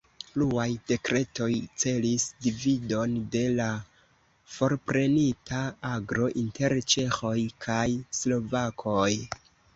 Pluaj dekretoj celis dividon de la forprenita agro inter ĉeĥoj kaj slovakoj.